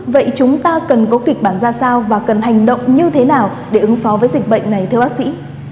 vậy chúng ta cần có kịch bản ra sao và cần hành động như thế nào để ứng phó với dịch bệnh này thưa bác sĩ